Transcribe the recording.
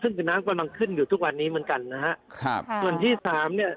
ซึ่งคือน้ำกำลังขึ้นอยู่ทุกวันนี้เหมือนกันนะฮะครับส่วนที่สามเนี้ย